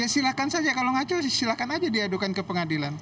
silakan saja kalau ngaco silakan saja diadukan ke pengadilan